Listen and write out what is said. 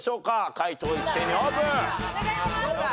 解答一斉にオープン！